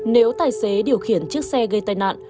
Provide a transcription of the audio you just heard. nếu tài xế điều khiển chiếc xe gây tai nạn